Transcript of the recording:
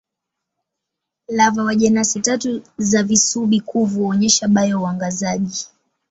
Lava wa jenasi tatu za visubi-kuvu huonyesha bio-uangazaji.